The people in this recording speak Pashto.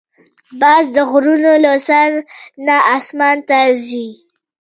باز د غرونو له سر نه آسمان ته ځي